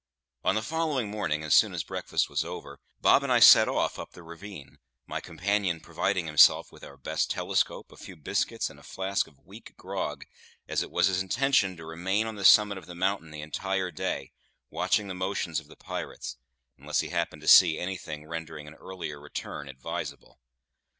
On the following morning, as soon as breakfast was over, Bob and I set off up the ravine, my companion providing himself with our best telescope, a few biscuits, and a flask of weak grog, as it was his intention to remain on the summit of the mountain the entire day, watching the motions of the pirates, unless he happened to see anything rendering an earlier return advisable.